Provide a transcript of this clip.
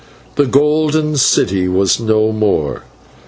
The Golden City was no more.